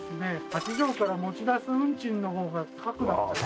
八丈から持ち出す運賃の方が高くなっちゃう」